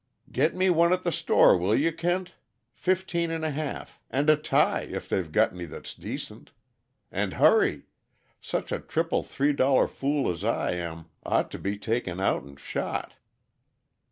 "Get me one at the store, will you, Kent? Fifteen and a half and a tie, if they've got any that's decent. And hurry! Such a triple three star fool as I am ought to be taken out and shot."